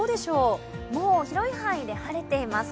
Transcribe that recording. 広い範囲で晴れています。